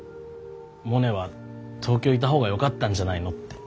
モネは東京いた方がよかったんじゃないのって。